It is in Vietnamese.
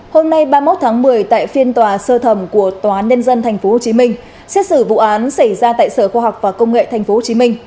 hôm nay ba mươi một tháng một mươi tại phiên tòa sơ thẩm của tòa nhân dân tp hcm xét xử vụ án xảy ra tại sở khoa học và công nghệ tp hcm